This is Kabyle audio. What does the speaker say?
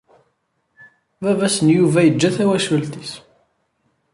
Baba-s n Yuba yeǧǧa tawacult-is.